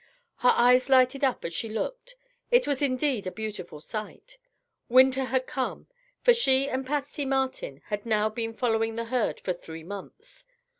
Her eyes lighted up as she looked. It was indeed a beautiful sight. Winter had come, for she and Patsy Martin had now been following the herd for three months.